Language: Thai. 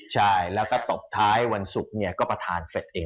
ใช่แล้วก็ตบท้ายวันศุกร์เนี่ยก็ประธานเสร็จเอง